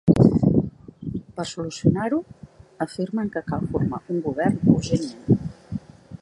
Per solucionar-ho, afirmen que cal formar un govern urgentment.